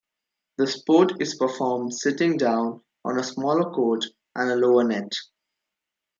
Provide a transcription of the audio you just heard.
The sport is performed sitting down, on a smaller court and a lower net.